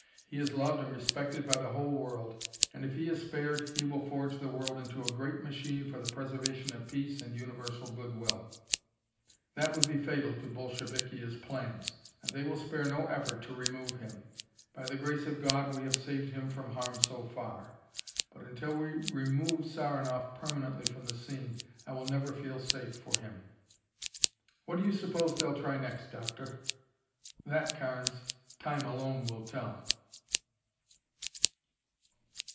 He is loved and respected by the whole world, and if he is spared he will forge the world into a great machine for the preservation of peace and universal good will. That would be fatal to Bolshevikia's plans, and they will spare no effort to remove him. By the grace of God, we have saved him from harm so far, but until we remove Saranoff permanently from the scene, I will never feel safe for him." "What do you suppose they'll try next, Doctor?" "That, Carnes, time alone will tell."